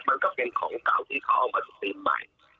มันก็เป็นของเก่าที่เขาเอามาซื้อใหม่